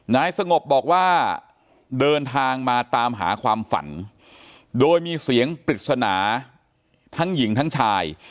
นายสงบบอกว่าเดินทางมาตามหาความฝันโดยมีเสียงปริศนาทั้งหญิงทั้งชาย